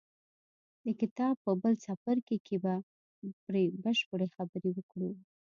د کتاب په بل څپرکي کې به پرې بشپړې خبرې وکړو.